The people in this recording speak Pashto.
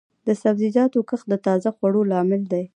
د سبزیجاتو کښت د تازه خوړو لامل دی.